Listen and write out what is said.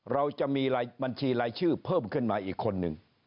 เราจะมีบัญชีรายชื่อเพิ่มขึ้นมาอีกคนนึง